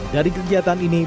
dari kegiatan ini